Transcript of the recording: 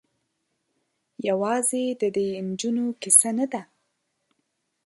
یوازې د دې نجونو کيسه نه ده.